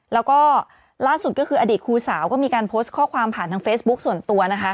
แล้วก็ล่าสุดก็คืออดีตครูสาวก็มีการโพสต์ข้อความผ่านทางเฟซบุ๊คส่วนตัวนะคะ